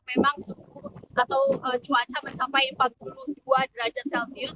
memang suhu atau cuaca mencapai empat puluh dua derajat celcius